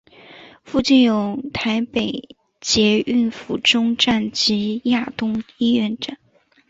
附近有台北捷运府中站及亚东医院站。